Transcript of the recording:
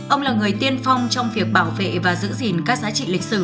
ông là người tiên phong trong việc bảo vệ và giữ gìn các giá trị lịch sử